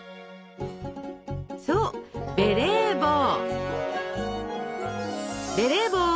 そうベレー帽。